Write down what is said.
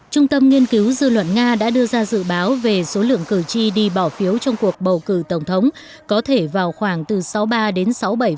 trung tâm nghiên cứu dư luận nga đã đưa ra dự báo về số lượng cử tri đi bỏ phiếu trong cuộc bầu cử tổng thống có thể vào khoảng từ sáu mươi ba đến sáu bảy